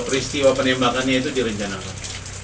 peristiwa penembakannya itu direncanakan